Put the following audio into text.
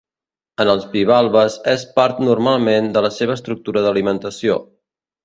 En els bivalves és part normalment de la seva estructura d’alimentació.